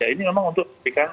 ini memang untuk